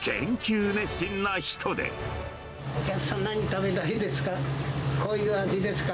お客さん、何食べたいですか？